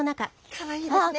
かわいいですね。